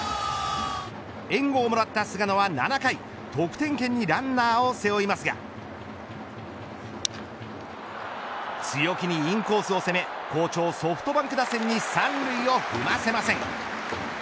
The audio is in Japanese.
援護をもらった菅野は７回得点圏にランナーを背負いますが強気にインコースを攻め好調ソフトバンク打線に３塁を踏ませません。